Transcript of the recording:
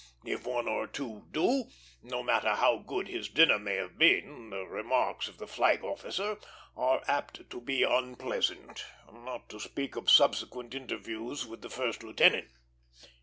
If one or two do, no matter how good his dinner may have been, the remarks of the flag officer are apt to be unpleasant; not to speak of subsequent interviews with the first lieutenant.